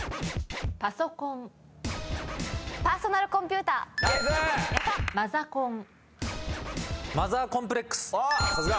パーソナルコンピューター。マザーコンプレックス。